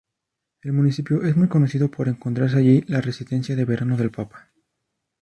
El municipio es muy conocido por encontrarse allí la residencia de verano del papa.